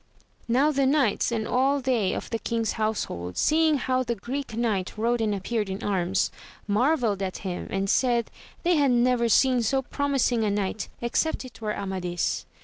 Now the knights, and all they of the king's household, seeing how the Greek Knight rode and appeared in arms, marvelled at him, and said they had never seen so promising a knight, except it were Amadis.